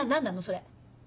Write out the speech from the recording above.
それ。